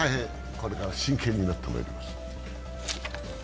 これから真剣になってまいります。